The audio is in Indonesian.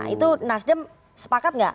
itu nasdem sepakat nggak